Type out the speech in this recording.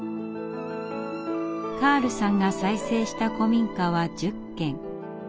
カールさんが再生した古民家は１０軒。